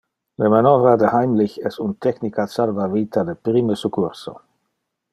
Le manovra de Heimlich es un technica salva-vita de prime succurso.